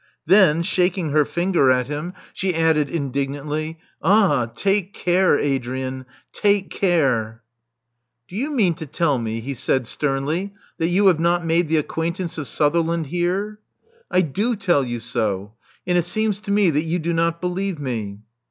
Then, shaking her finger at him, Love Among the Artists 369 she added indignantly, Ah, take care, Adrian, take care/' '*Do you mean to tell me," he said sternly, that you have not made the acquaintance of Sutherland here?'* *'I do tell you so. And it seems to me that you do not believe me."